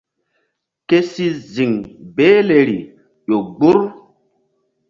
Ke si ziŋ behleri ƴo gbur.